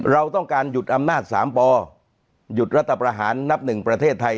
เราต้องการหยุดอำนาจ๓ปหยุดรัฐประหารนับหนึ่งประเทศไทย